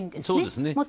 そうですね。